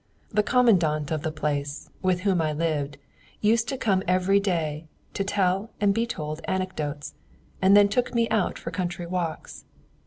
The Commandant of the place, with whom I lived, used to come every day to tell and be told anecdotes, and then took me out for country walks.